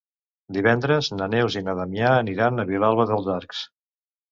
Divendres na Neus i na Damià aniran a Vilalba dels Arcs.